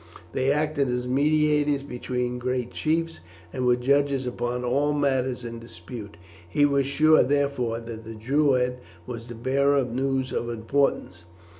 They acted as mediators between great chiefs, and were judges upon all matters in dispute. He was sure, therefore, that the Druid was the bearer of news of importance.